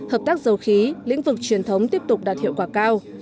hợp tác dầu khí lĩnh vực truyền thống tiếp tục đạt hiệu quả cao